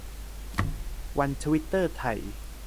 วันทวิตเตอร์ไทย